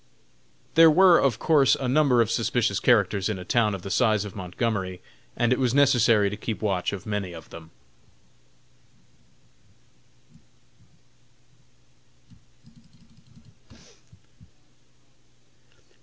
There were, of course, a number of suspicious characters in a town of the size of Montgomery, and it was necessary to keep watch of many of them.